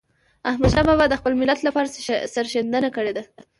احمدشاه بابا د خپل ملت لپاره سرښندنه کړې ده.